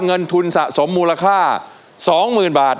เงินทุนสะสมมูลค่า๒๐๐๐บาท